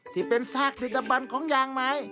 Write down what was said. ที่เป็นซากผลิตบันของยางไม้